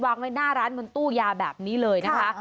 วางไว้หน้าร้านบนตู้ยาแบบนี้เลยนะคะ